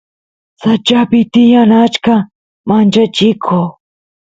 sachapi tiyan achka manchachiko